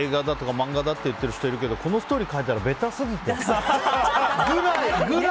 漫画だって言っている人がいるけどこのストーリー書いたらベタすぎてね。